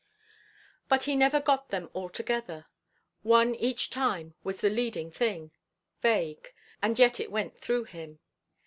But he never got them all together; one each time was the leading thing; vague; and yet it went through him.